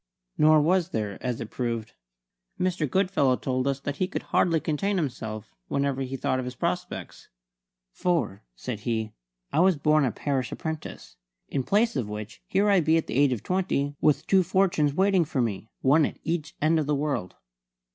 Nor was there, as it proved. Mr. Goodfellow told us that he could hardly contain himself whenever he thought of his prospects; "for," said he, "I was born a parish apprentice; in place of which here I be at the age of twenty with two fortunes waiting for me, one at each end of the world."